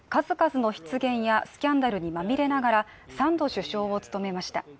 数々の失言やスキャンダルにまみれながら３度首相を務めました。